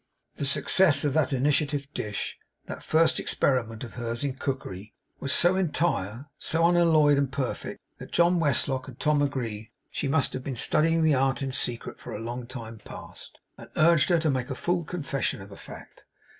The success of that initiative dish; that first experiment of hers in cookery; was so entire, so unalloyed and perfect, that John Westlock and Tom agreed she must have been studying the art in secret for a long time past; and urged her to make a full confession of the fact.